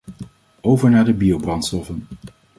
Over naar de biobrandstoffen.